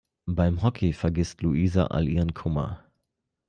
Beim Hockey vergisst Luisa all ihren Kummer.